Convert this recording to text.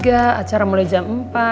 acara mulai jam empat